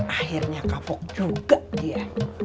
akhirnya kapok juga dia